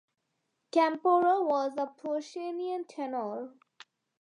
Campora was a Puccinian tenor.